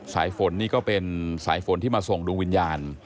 สายฝนนี่ก็เป็นสายฝนที่มาส่งดวงวิญญาณ